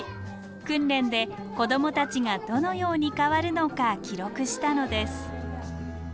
訓練で子どもたちがどのように変わるのか記録したのです。